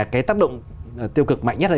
cái tác động tiêu cực mạnh nhất